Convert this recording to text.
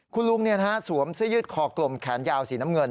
คุณลุงสวมเสื้อยืดคอกลมแขนยาวสีน้ำเงิน